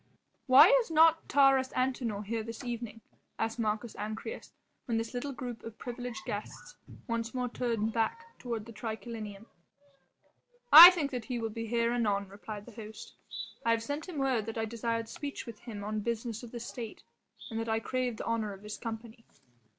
"Why is not Taurus Antinor here this evening?" asked Marcus Ancyrus when this little group of privileged guests once more turned back toward the triclinium. "I think that he will be here anon," replied the host. "I have sent him word that I desired speech with him on business of the State and that I craved the honour of his company."